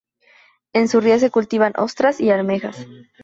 En su ría se cultivan ostras y almejas.